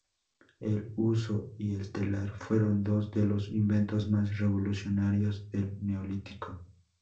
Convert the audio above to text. El huso y el telar fueron dos de los inventos más revolucionarios del Neolítico.